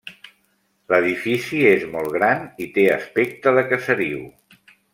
L'edifici és molt gran i té aspecte de caseriu.